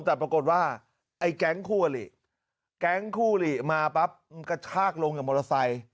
แต่ปรากฏว่าไอ้แก๊งคู่อลิแก๊งคู่หลีมาปั๊บกระชากลงกับมอเตอร์ไซค์